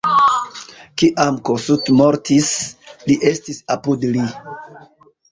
Kiam Kossuth mortis, li estis apud li.